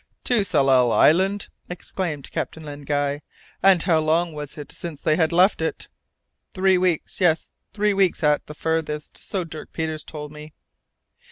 "To Tsalal Island!" exclaimed Captain Len Guy. "And how long was it since they had left it?" "Three weeks yes, three weeks at the farthest, so Dirk Peters told me."